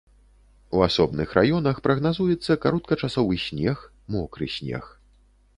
У асобных раёнах прагназуецца кароткачасовы снег, мокры снег.